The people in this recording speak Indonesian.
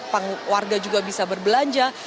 dan warga juga bisa berbelanja